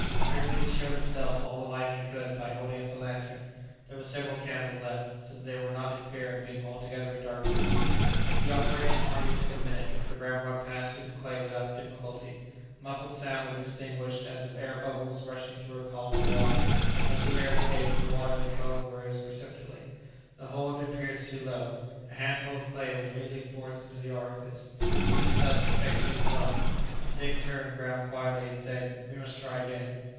Hercules showed him all the light he could by holding up the lantern. There were several candles left, so that they were not in fear of being altogether in darkness. The operation hardly took a minute; the ramrod passed through the clay without difficulty; a muffled sound was distinguished as of air bubbles rushing through a column of water. As the air escaped, the water in the cone rose perceptibly. The hole had been pierced too low. A handful of clay was immediately forced into the orifice, which was thus effectually plugged; and Dick turned round quietly, and said, "We must try again."